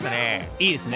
いいですね。